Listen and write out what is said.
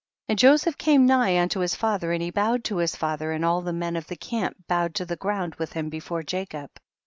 14. And Joseph came nigh unto his father and he bowed to his father, and all the men of the camp bowed to the ground with him before Jacob.